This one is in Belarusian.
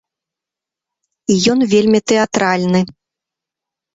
І ён вельмі тэатральны.